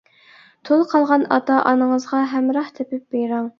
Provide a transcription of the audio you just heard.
تۇل قالغان ئاتا-ئانىڭىزغا ھەمراھ تېپىپ بېرىڭ.